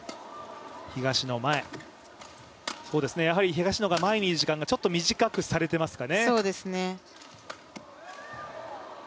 東野が前にいる時間がちょっと短くされていますね。